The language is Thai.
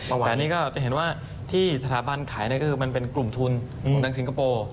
แต่นี่ก็จะเห็นว่าที่สถาบันขายก็คือมันเป็นกลุ่มทุนของทางสิงคโปร์